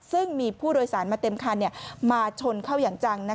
ซึ่งมีผู้โดยสารมาเต็มคันมาชนเข้าอย่างจัง